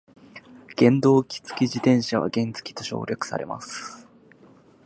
原動機付き自転車は原付と省略されます。